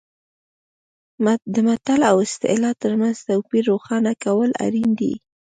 د متل او اصطلاح ترمنځ توپیر روښانه کول اړین دي